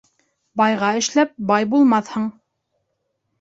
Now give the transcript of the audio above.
Байға эшләп, бай булмаҫһың.